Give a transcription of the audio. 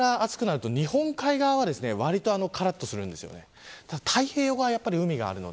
こちらが暑くなると日本海側、わりとからっとするんです。